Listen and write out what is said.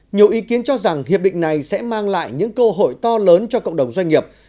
nhiều ý kiến cho rằng hiệp định này sẽ mang lại những cơ hội to lớn cho cộng đồng doanh nghiệp